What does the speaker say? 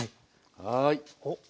はい。